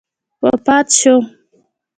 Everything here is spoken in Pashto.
وفات شو.